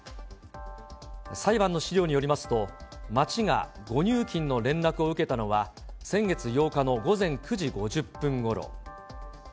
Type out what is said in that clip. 裁判の資料によりますと、町が誤入金の連絡を受けたのは、先月８日の午前９時５０分ごろ。